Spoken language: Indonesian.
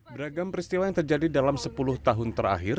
beragam peristiwa yang terjadi dalam sepuluh tahun terakhir